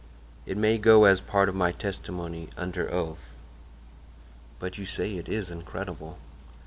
It may go as a part of my testimony under oath." "But you say it is incredible."